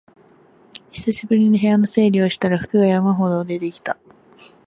久しぶりに部屋の整理をしたら服が山ほど出てきた